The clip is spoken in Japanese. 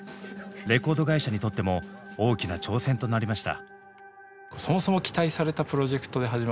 レコード会社にとっても大きな挑戦となりました。